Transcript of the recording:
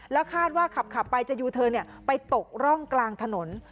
แล้วคาดว่าขับไปจะยูเทิร์นไปตกร่องกลางถนน